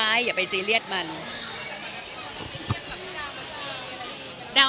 มันก็เป็นความสุขเล็กน้อยของป้าเนาะ